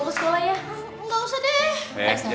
kamu ke sekolah ya